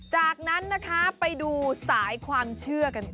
จากนั้นนะคะไปดูสายความเชื่อกันต่อ